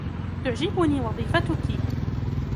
تعجبني وظيفتكِ.